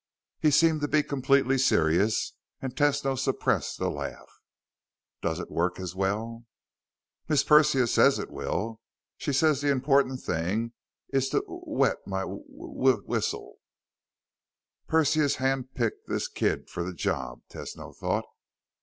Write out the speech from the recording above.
He seemed to be completely serious, and Tesno suppressed a laugh. "Does it work as well?" "Miss Persia says it will. She says the important thing is to w wet my wh wh whistle." Persia hand picked this kid for the job, Tesno thought.